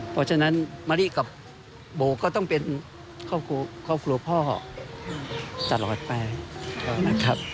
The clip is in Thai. เพราะฉะนั้นมะลิกับโบก็ต้องเป็นครอบครัวพ่อตลอดไปนะครับ